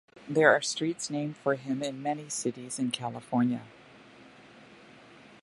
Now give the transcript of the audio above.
There are streets named for him in many cities in California.